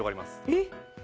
えっ？